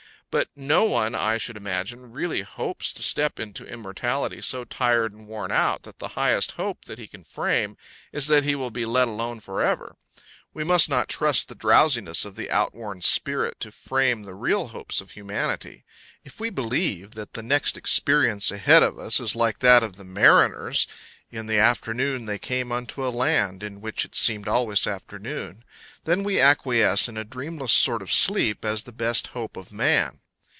But no one, I should imagine, really hopes to step into immortality so tired and worn out that the highest hope that he can frame is that he will be let alone for ever. We must not trust the drowsiness of the outworn spirit to frame the real hopes of humanity. If we believe that the next experience ahead of us is like that of the mariners, In the afternoon they came unto a land In which it seemed always afternoon, then we acquiesce in a dreamless sort of sleep as the best hope of man.